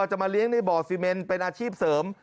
จะมาเลี้ยงในบ่อซีเมนเป็นอาชีพเสริม